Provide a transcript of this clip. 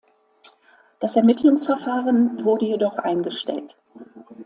Das Ermittlungsverfahren wurde jedoch eingestellt.